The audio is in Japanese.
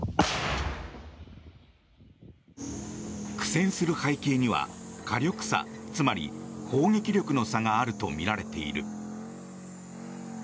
苦戦する背景には、火力差つまり砲撃力の差があるとみられている。